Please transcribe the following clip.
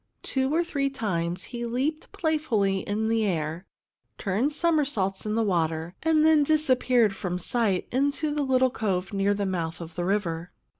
Two or three times he leaped playfully in the air, turned somersaults in the water, and then disappeared from sight in the little cove near the mouth of the river.